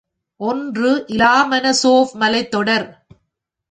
ஒன்று இலாமன சோவ் மலைத்தொடர்.